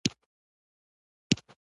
نه یواځې چې خپله استعفاء امضا کړې وه